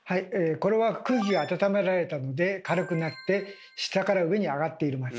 これは空気があたためられたので軽くなって下から上にあがっています。